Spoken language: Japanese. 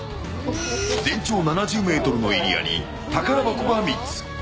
全長７０ｍのエリアに宝箱は３つ。